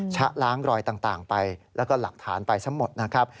ชะล้างรอยต่างไปแล้วก็หลักฐานไปซะหมดนะครับ